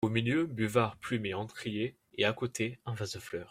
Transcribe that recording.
Au milieu, buvard, plume et encrier, et, à côté, un vase de fleurs.